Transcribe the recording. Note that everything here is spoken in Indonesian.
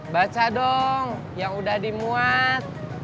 baca dong yang udah dimuat